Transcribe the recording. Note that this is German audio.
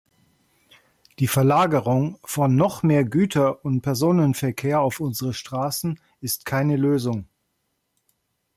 Die Verlagerung von noch mehr Güter- und Personenverkehr auf unsere Straßen ist keine Lösung.